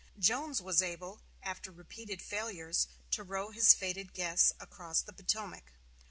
Jones was able, after repeated failures, to row his fated guests across the Potomac.